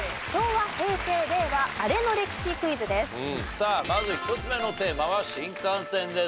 さあまず１つ目のテーマは新幹線です。